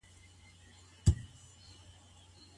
هر څوک چي وليمې ته وبلل سي ولي بايد ورسي؟